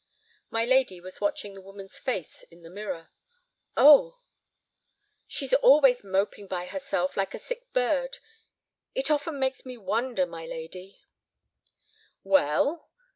My lady was watching the woman's face in the mirror. "Oh—" "She's always moping by herself like a sick bird. It often makes me wonder, my lady—" "Well?"